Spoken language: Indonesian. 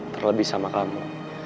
terlebih sama kamu